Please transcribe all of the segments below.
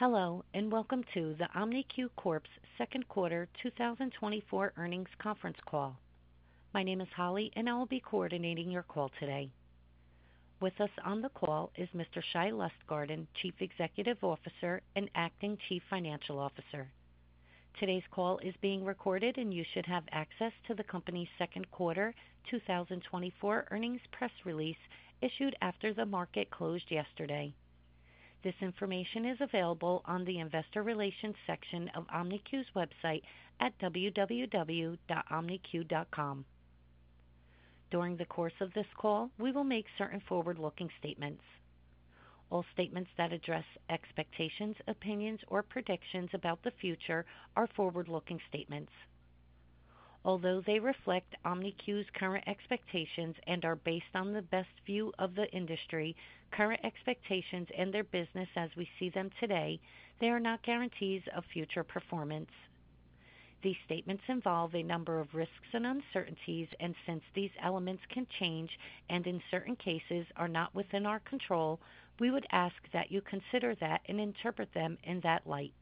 Hello, and welcome to the OmniQ Corp.'s second quarter 2024 earnings conference call. My name is Holly, and I will be coordinating your call today. With us on the call is Mr. Shai Lustgarten, Chief Executive Officer and Acting Chief Financial Officer. Today's call is being recorded, and you should have access to the company's second quarter 2024 earnings press release issued after the market closed yesterday. This information is available on the Investor Relations section of OmniQ's website at www.omniq.com. During the course of this call, we will make certain forward-looking statements. All statements that address expectations, opinions, or predictions about the future are forward-looking statements. Although they reflect OmniQ's current expectations and are based on the best view of the industry, current expectations in their business as we see them today, they are not guarantees of future performance. These statements involve a number of risks and uncertainties, and since these elements can change and in certain cases are not within our control, we would ask that you consider that and interpret them in that light.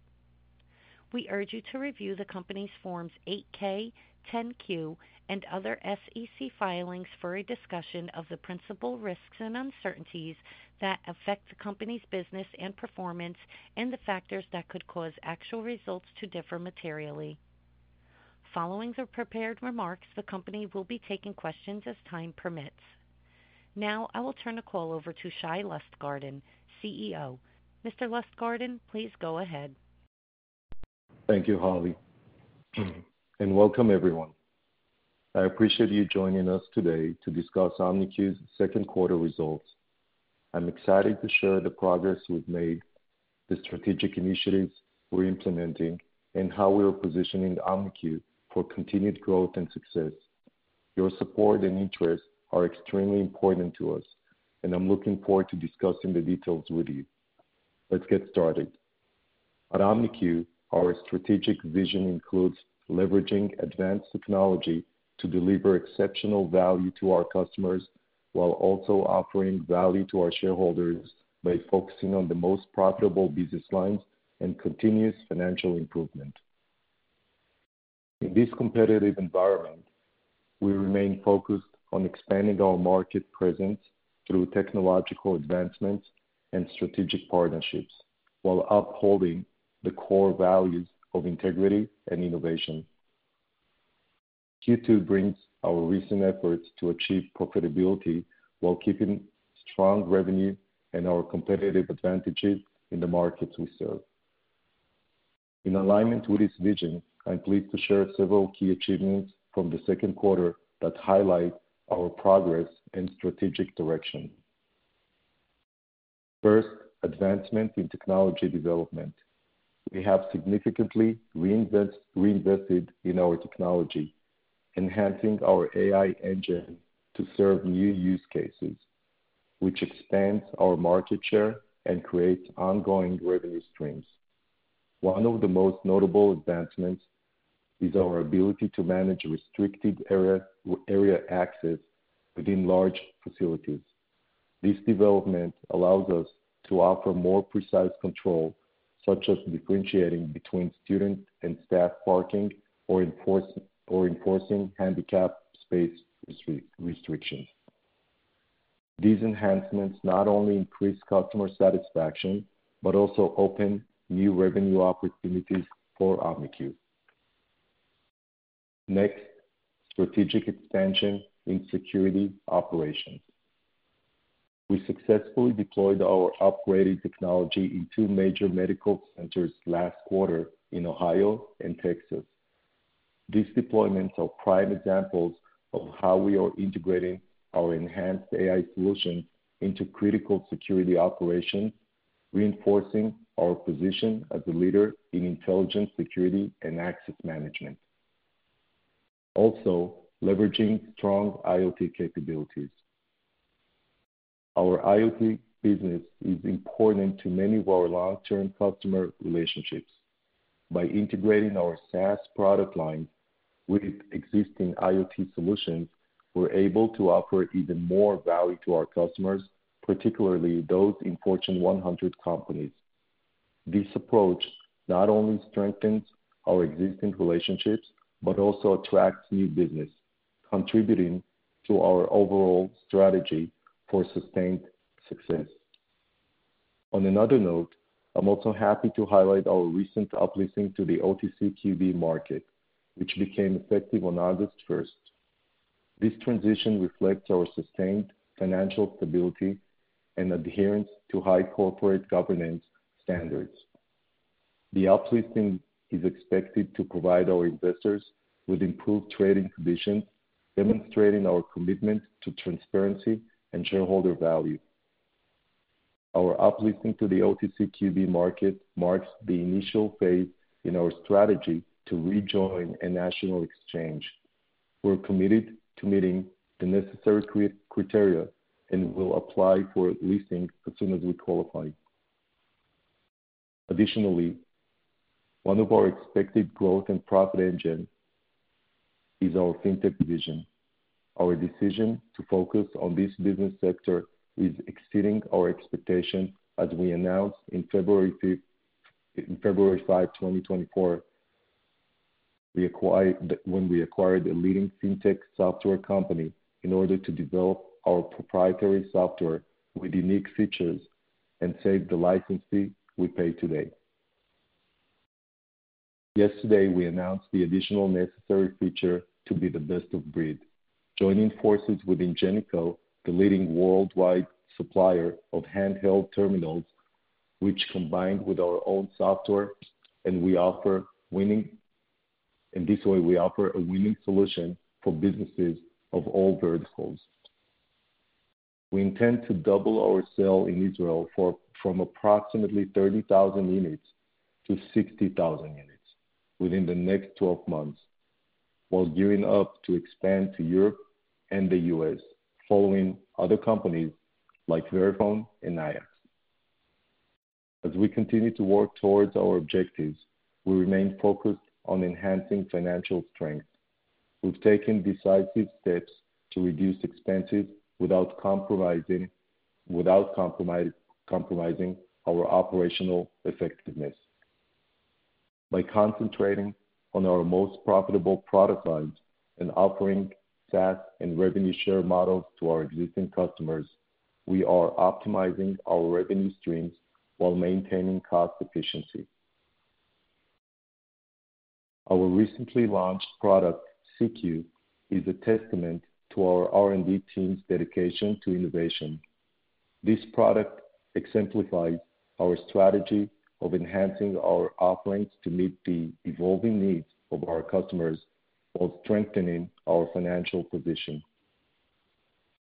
We urge you to review the company's Forms 8-K, 10-Q, and other SEC filings for a discussion of the principal risks and uncertainties that affect the company's business and performance and the factors that could cause actual results to differ materially. Following the prepared remarks, the company will be taking questions as time permits. Now, I will turn the call over to Shai Lustgarten, CEO. Mr. Lustgarten, please go ahead. Thank you, Holly, and welcome, everyone. I appreciate you joining us today to discuss OmniQ's second quarter results. I'm excited to share the progress we've made, the strategic initiatives we're implementing, and how we are positioning OmniQ for continued growth and success. Your support and interest are extremely important to us, and I'm looking forward to discussing the details with you. Let's get started. At OmniQ, our strategic vision includes leveraging advanced technology to deliver exceptional value to our customers, while also offering value to our shareholders by focusing on the most profitable business lines and continuous financial improvement. In this competitive environment, we remain focused on expanding our market presence through technological advancements and strategic partnerships while upholding the core values of integrity and innovation. Q2 brings our recent efforts to achieve profitability while keeping strong revenue and our competitive advantages in the markets we serve. In alignment with this vision, I'm pleased to share several key achievements from the second quarter that highlight our progress and strategic direction. First, advancement in technology development. We have significantly reinvested in our technology, enhancing our AI engine to serve new use cases, which expands our market share and creates ongoing revenue streams. One of the most notable advancements is our ability to manage restricted area access within large facilities. This development allows us to offer more precise control, such as differentiating between student and staff parking or enforcing handicap space restrictions. These enhancements not only increase customer satisfaction, but also open new revenue opportunities for OmniQ. Next, strategic expansion in security operations. We successfully deployed our upgraded technology in two major medical centers last quarter in Ohio and Texas. These deployments are prime examples of how we are integrating our enhanced AI solutions into critical security operations, reinforcing our position as a leader in intelligent security and access management. Also, leveraging strong IoT capabilities. Our IoT business is important to many of our long-term customer relationships. By integrating our SaaS product line with existing IoT solutions, we're able to offer even more value to our customers, particularly those in Fortune 100 companies. This approach not only strengthens our existing relationships, but also attracts new business, contributing to our overall strategy for sustained success. On another note, I'm also happy to highlight our recent uplisting to the OTCQB market, which became effective on August 1. This transition reflects our sustained financial stability and adherence to high corporate governance standards. The uplisting is expected to provide our investors with improved trading conditions, demonstrating our commitment to transparency and shareholder value. Our uplisting to the OTCQB market marks the initial phase in our strategy to rejoin a national exchange. We're committed to meeting the necessary criteria, and we'll apply for listing as soon as we qualify. Additionally, one of our expected growth and profit engines is our Fintech division. Our decision to focus on this business sector is exceeding our expectations, as we announced in February 5, in February 5, 2024, we acquired a leading Fintech software company in order to develop our proprietary software with unique features and save the licensing we pay today. Yesterday, we announced the additional necessary feature to be the best of breed, joining forces with Ingenico, the leading worldwide supplier of handheld terminals, which combined with our own software, and in this way, we offer a winning solution for businesses of all verticals. We intend to double our sales in Israel from approximately 30,000 units to 60,000 units within the next 12 months, while gearing up to expand to Europe and the U.S., following other companies like Verifone and IEX. As we continue to work towards our objectives, we remain focused on enhancing financial strength. We've taken decisive steps to reduce expenses without compromising our operational effectiveness. By concentrating on our most profitable product lines and offering SaaS and revenue share models to our existing customers, we are optimizing our revenue streams while maintaining cost efficiency. Our recently launched product, See, is a testament to our R&D team's dedication to innovation. This product exemplifies our strategy of enhancing our offerings to meet the evolving needs of our customers, while strengthening our financial position.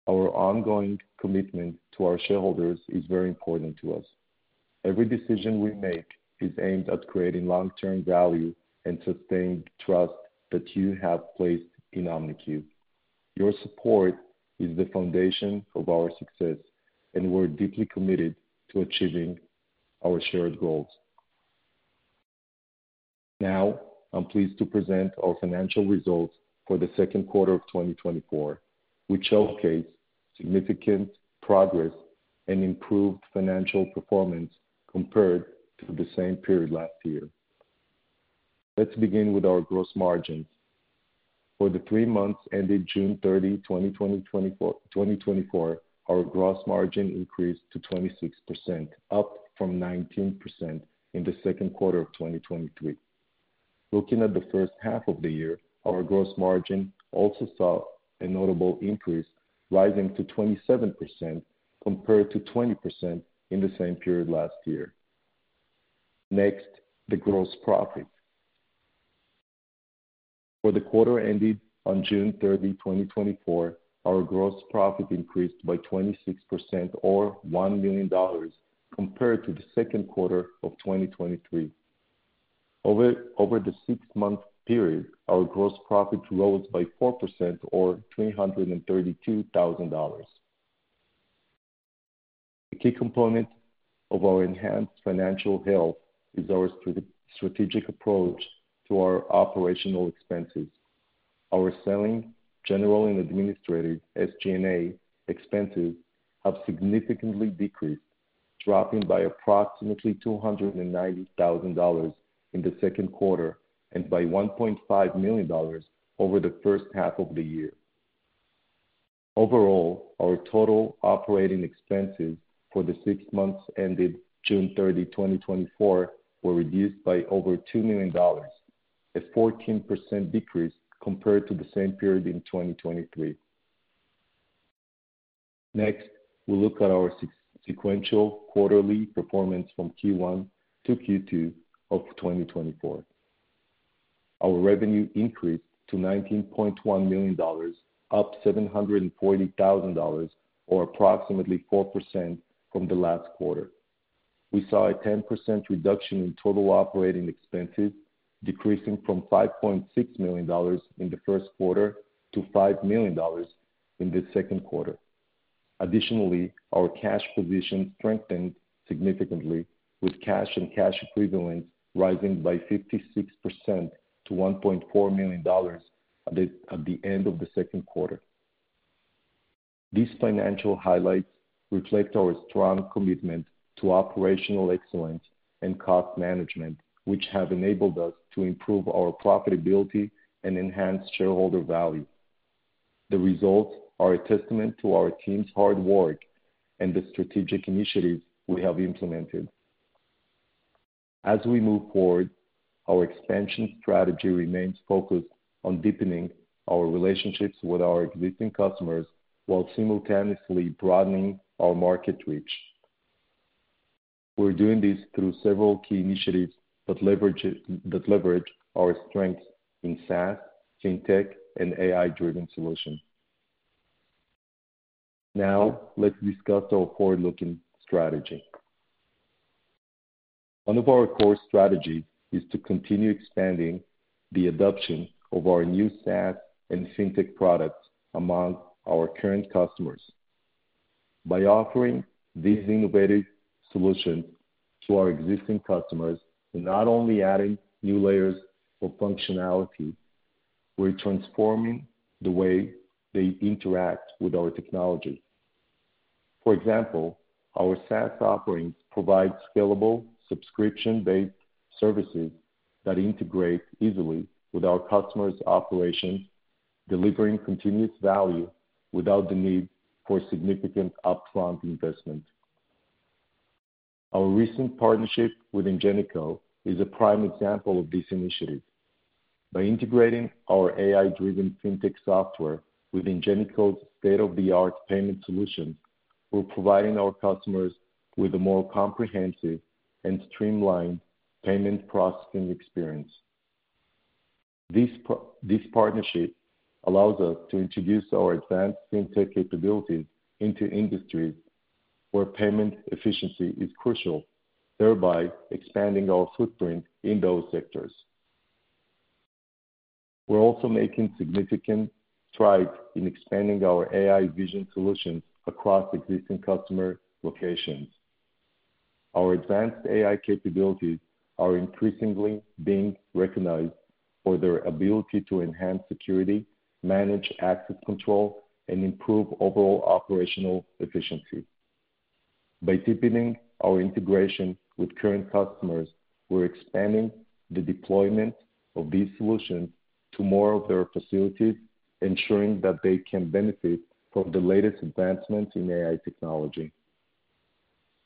Our ongoing commitment to our shareholders is very important to us. Every decision we make is aimed at creating long-term value and sustained trust that you have placed in OmniQ. Your support is the foundation of our success, and we're deeply committed to achieving our shared goals. Now, I'm pleased to present our financial results for the second quarter of 2024, which showcase significant progress and improved financial performance compared to the same period last year. Let's begin with our gross margins. For the three months ended June 30, 2024, our gross margin increased to 26%, up from 19% in the second quarter of 2023. Looking at the first half of the year, our gross margin also saw a notable increase, rising to 27% compared to 20% in the same period last year. Next, the gross profit. For the quarter ended on June 30, 2024, our gross profit increased by 26% or $1 million compared to the second quarter of 2023. Over the six-month period, our gross profit rose by 4% or $332,000. A key component of our enhanced financial health is our strategic approach to our operational expenses. Our selling, general, and administrative, SG&A, expenses have significantly decreased, dropping by approximately $290,000 in the second quarter and by $1.5 million over the first half of the year. Overall, our total operating expenses for the six months ended June 30, 2024, were reduced by over $2 million, a 14% decrease compared to the same period in 2023. Next, we'll look at our sequential quarterly performance from Q1 to Q2 of 2024. Our revenue increased to $19.1 million, up $740,000 or approximately 4% from the last quarter. We saw a 10% reduction in total operating expenses, decreasing from $5.6 million in the first quarter to $5 million in the second quarter. Additionally, our cash position strengthened significantly, with cash and cash equivalents rising by 56% to $1.4 million at the end of the second quarter. These financial highlights reflect our strong commitment to operational excellence and cost management, which have enabled us to improve our profitability and enhance shareholder value. The results are a testament to our team's hard work and the strategic initiatives we have implemented. As we move forward, our expansion strategy remains focused on deepening our relationships with our existing customers while simultaneously broadening our market reach. We're doing this through several key initiatives that leverage our strengths in SaaS, Fintech, and AI-driven solutions. Now, let's discuss our forward-looking strategy. One of our core strategies is to continue expanding the adoption of our new SaaS and Fintech products among our current customers. By offering these innovative solutions to our existing customers, we're not only adding new layers of functionality, we're transforming the way they interact with our technology. For example, our SaaS offerings provide scalable, subscription-based services that integrate easily with our customers' operations, delivering continuous value without the need for significant upfront investment. Our recent partnership with Ingenico is a prime example of this initiative. By integrating our AI-driven Fintech software with Ingenico's state-of-the-art payment solution, we're providing our customers with a more comprehensive and streamlined payment processing experience. This partnership allows us to introduce our advanced Fintech capabilities into industries where payment efficiency is crucial, thereby expanding our footprint in those sectors. We're also making significant strides in expanding our AI vision solutions across existing customer locations. Our advanced AI capabilities are increasingly being recognized for their ability to enhance security, manage access control, and improve overall operational efficiency. By deepening our integration with current customers, we're expanding the deployment of these solutions to more of their facilities, ensuring that they can benefit from the latest advancements in AI technology.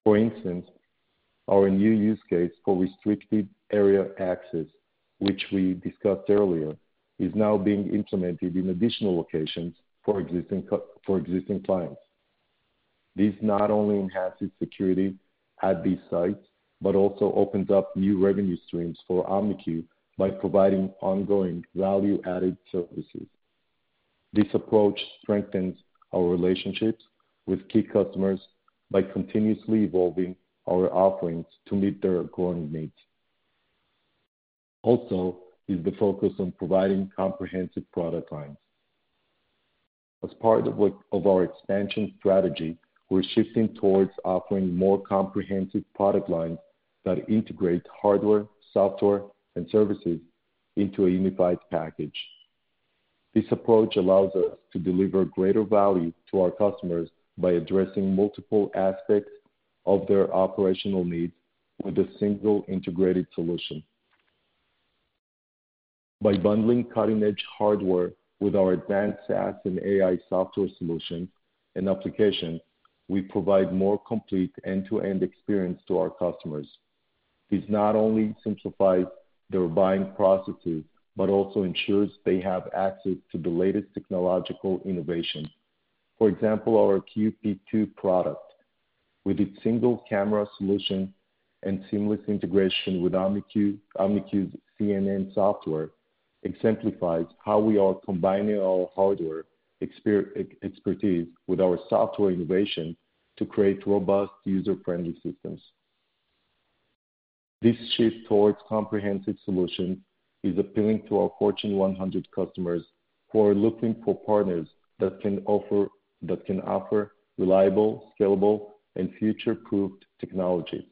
For instance, our new use case for restricted area access, which we discussed earlier, is now being implemented in additional locations for existing clients. This not only enhances security at these sites, but also opens up new revenue streams for OmniQ by providing ongoing value-added services. This approach strengthens our relationships with key customers by continuously evolving our offerings to meet their growing needs. Also, is the focus on providing comprehensive product lines. As part of our expansion strategy, we're shifting towards offering more comprehensive product lines that integrate hardware, software, and services into a unified package. This approach allows us to deliver greater value to our customers by addressing multiple aspects of their operational needs with a single integrated solution. By bundling cutting-edge hardware with our advanced SaaS and AI software solutions and application, we provide more complete end-to-end experience to our customers. This not only simplifies their buying processes, but also ensures they have access to the latest technological innovation. For example, our QP2 product, with its single camera solution and seamless integration with OmniQ, OmniQ's SeeNN software, exemplifies how we are combining our hardware expertise with our software innovation to create robust, user-friendly systems. This shift towards comprehensive solutions is appealing to our Fortune 100 customers, who are looking for partners that can offer, that can offer reliable, scalable, and future-proofed technology.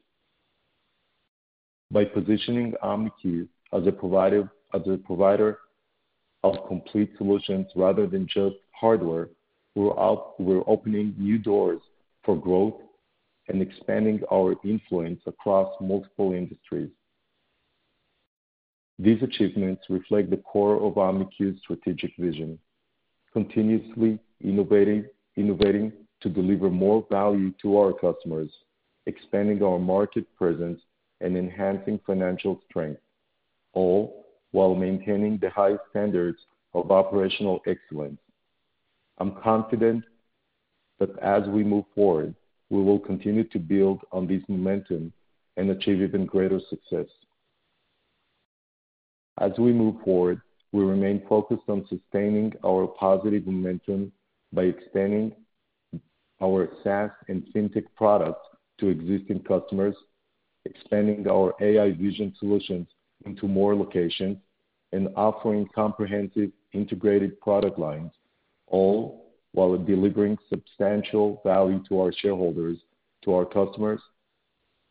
By positioning OmniQ as a provider, as a provider of complete solutions rather than just hardware, we're opening new doors for growth and expanding our influence across multiple industries. These achievements reflect the core of OmniQ's strategic vision: continuously innovating, innovating to deliver more value to our customers, expanding our market presence, and enhancing financial strength, all while maintaining the highest standards of operational excellence. I'm confident that as we move forward, we will continue to build on this momentum and achieve even greater success. As we move forward, we remain focused on sustaining our positive momentum by expanding our SaaS and Fintech products to existing customers, expanding our AI vision solutions into more locations, and offering comprehensive integrated product lines, all while delivering substantial value to our shareholders, to our customers,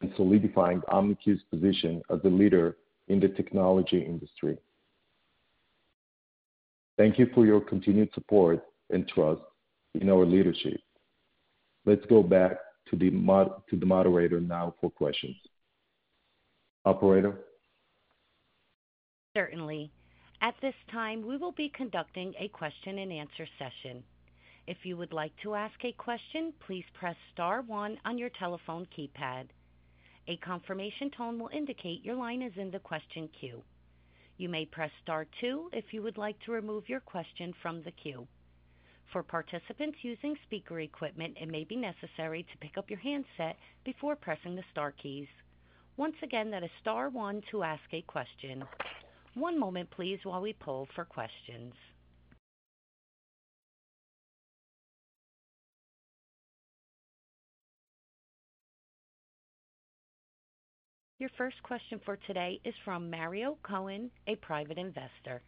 and solidifying OmniQ's position as a leader in the technology industry. Thank you for your continued support and trust in our leadership. Let's go back to the moderator now for questions. Operator? Certainly. At this time, we will be conducting a question-and-answer session. If you would like to ask a question, please press star one on your telephone keypad. A confirmation tone will indicate your line is in the question queue. You may press star two if you would like to remove your question from the queue. For participants using speaker equipment, it may be necessary to pick up your handset before pressing the star keys. Once again, that is star one to ask a question. One moment please, while we poll for questions.... Your first question for today is from Mario Cohen, a private investor.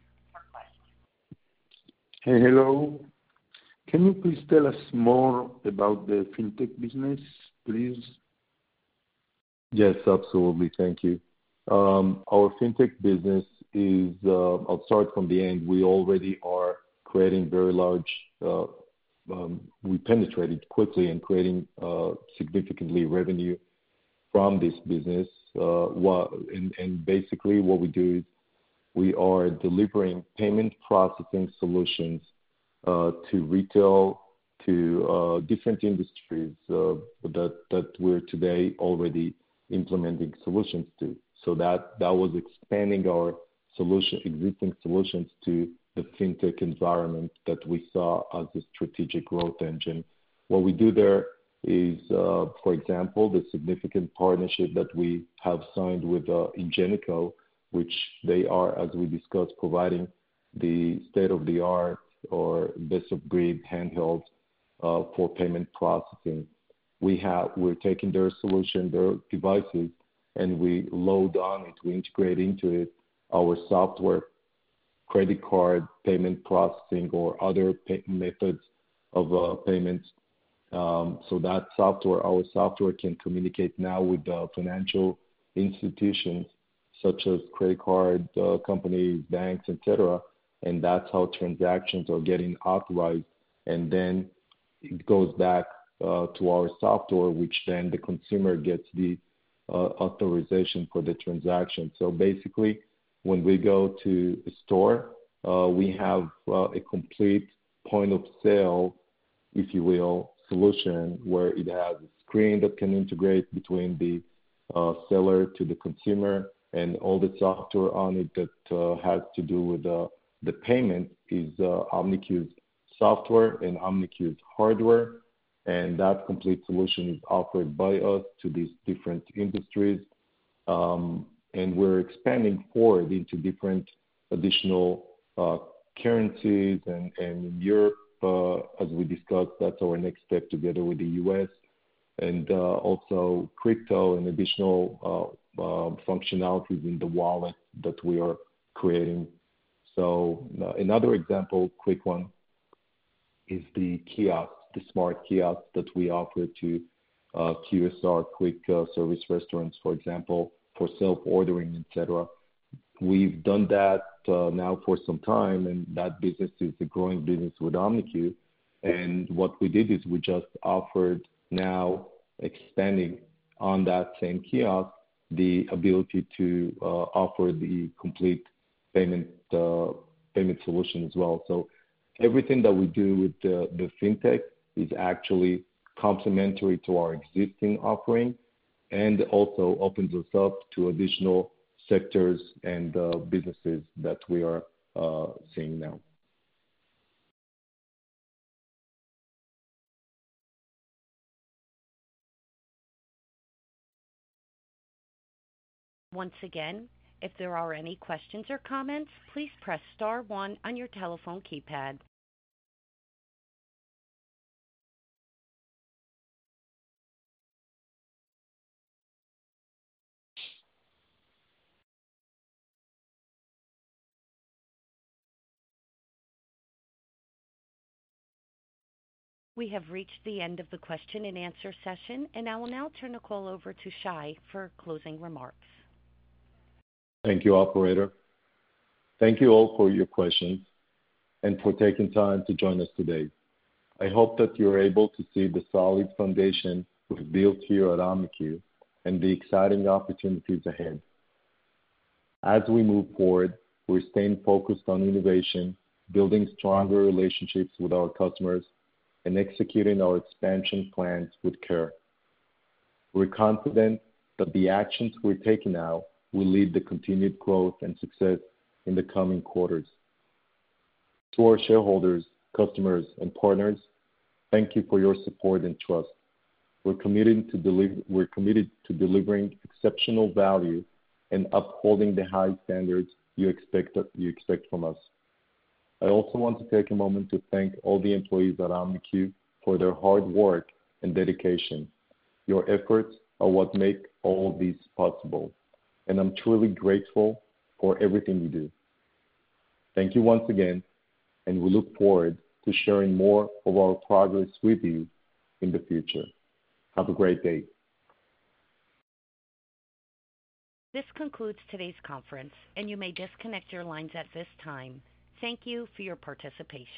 Hey, hello. Can you please tell us more about the fintech business, please? Yes, absolutely. Thank you. Our Fintech business is, I'll start from the end. We already are creating very large, we penetrated quickly in creating significantly revenue from this business. And basically what we do is we are delivering payment processing solutions to retail, to different industries that that we're today already implementing solutions to. So that that was expanding our solution, existing solutions to the Fintech environment that we saw as a strategic growth engine. What we do there is, for example, the significant partnership that we have signed with Ingenico, which they are, as we discussed, providing the state-of-the-art or best of breed handheld for payment processing. We're taking their solution, their devices, and we load on it, we integrate into it our software, credit card, payment processing, or other payment methods of payments. So that software, our software, can communicate now with the financial institutions such as credit card companies, banks, et cetera, and that's how transactions are getting authorized. And then it goes back to our software, which then the consumer gets the authorization for the transaction. So basically, when we go to a store, we have a complete point-of-sale, if you will, solution where it has a screen that can integrate between the seller to the consumer, and all the software on it that has to do with the payment is OmniQ's software and OmniQ's hardware. And that complete solution is offered by us to these different industries. And we're expanding forward into different additional currencies and in Europe, as we discussed, that's our next step together with the U.S., and also crypto and additional functionalities in the wallet that we are creating. So another example, quick one, is the kiosk, the smart kiosk that we offer to QSR, quick service restaurants, for example, for self-ordering, et cetera. We've done that now for some time, and that business is a growing business with OmniQ. And what we did is we just offered now expanding on that same kiosk, the ability to offer the complete payment payment solution as well. So everything that we do with the Fintech is actually complementary to our existing offering and also opens us up to additional sectors and businesses that we are seeing now. Once again, if there are any questions or comments, please press star one on your telephone keypad. We have reached the end of the question and answer session, and I will now turn the call over to Shai for closing remarks. Thank you, operator. Thank you all for your questions and for taking time to join us today. I hope that you're able to see the solid foundation we've built here at Omniq and the exciting opportunities ahead. As we move forward, we're staying focused on innovation, building stronger relationships with our customers, and executing our expansion plans with care. We're confident that the actions we're taking now will lead to continued growth and success in the coming quarters. To our shareholders, customers, and partners, thank you for your support and trust. We're committed to delivering exceptional value and upholding the high standards you expect from us. I also want to take a moment to thank all the employees at Omniq for their hard work and dedication. Your efforts are what make all this possible, and I'm truly grateful for everything you do. Thank you once again, and we look forward to sharing more of our progress with you in the future. Have a great day. This concludes today's conference, and you may disconnect your lines at this time. Thank you for your participation.